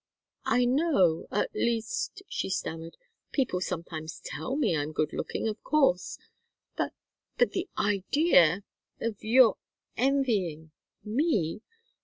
"I know at least " she stammered, "people sometimes tell me I'm good looking, of course. But but the idea of your envying me!